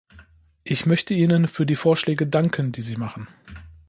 Ich möchte ihnen für die Vorschläge danken, die sie machen.